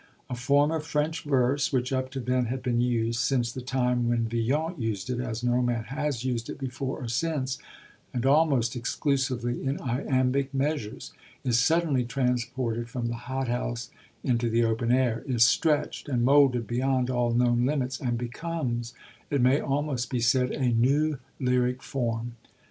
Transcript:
A form of French verse, which up to then had been used, since the time when Villon used it as no man has used it before or since, and almost exclusively in iambic measures, is suddenly transported from the hothouse into the open air, is stretched and moulded beyond all known limits, and becomes, it may almost be said, a new lyric form.